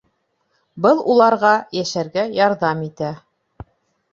Был уларға йәшәргә ярҙам итә.